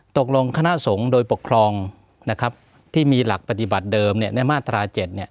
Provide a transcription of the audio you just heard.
ตกลงคณะสงฆ์โดยปกครองที่มีหลักปฏิบัติเดิมในมาตรา๗